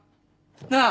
なあ。